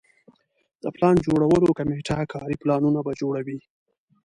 د پلان جوړولو کمیټه کاري پلانونه به جوړوي.